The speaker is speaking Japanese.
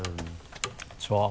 こんにちは。